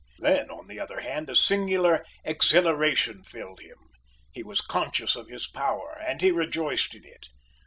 Then, on the other hand, a singular exhilaration filled him; he was conscious of his power, and he rejoiced in it.